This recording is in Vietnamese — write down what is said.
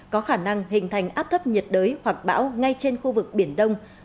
có khả năng hình thành áp thấp nhiệt đới hoặc bão ngay trên khu vực biển đông